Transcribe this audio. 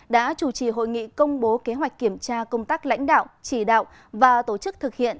đã chủ trì hội nghị công bố kế hoạch kiểm tra công tác lãnh đạo chỉ đạo và tổ chức thực hiện